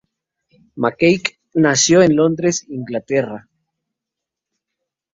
McKee nació en Londres, Inglaterra.